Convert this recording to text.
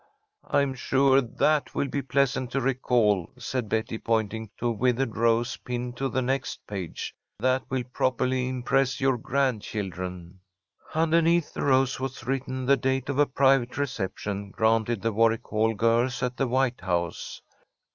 "I'm sure that will be pleasant to recall," said Betty, pointing to a withered rose pinned to the next page. "That will properly impress your grandchildren." Underneath the rose was written the date of a private reception granted the Warwick Hall girls at the White House.